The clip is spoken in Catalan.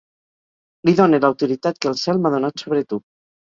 Li done l'autoritat que el cel m'ha donat sobre tu.